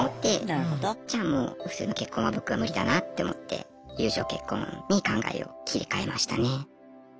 じゃあもう普通の結婚は僕は無理だなって思って友情結婚に考えを切り替えましたね。